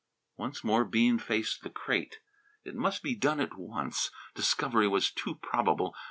Once more Bean faced the crate. It must be done at once. Discovery was too probable.